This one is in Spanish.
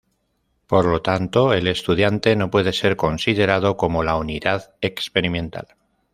Por lo tanto, el estudiante no puede ser considerado como la unidad experimental.